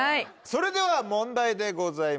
それでは問題でございます。